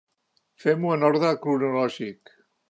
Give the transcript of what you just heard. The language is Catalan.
Fem-ho en ordre cronològic.